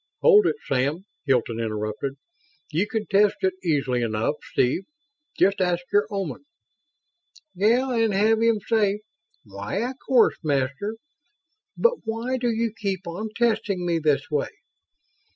"Hold it, Sam," Hilton interrupted. "You can test it easily enough, Steve. Just ask your Oman." "Yeah and have him say 'Why, of course, Master, but why do you keep on testing me this way?'